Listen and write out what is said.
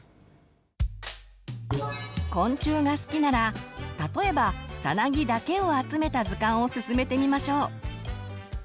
昆虫が好きなら例えばさなぎだけを集めた図鑑をすすめてみましょう。